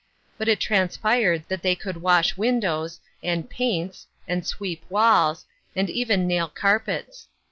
But it transpired that they could wash windows, and "paints," and sweep walls, and even nail carpets.